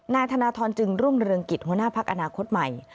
นายธนทรจึงรุ่งเรืองกิจหัวหน้าพักอนาคตใหม่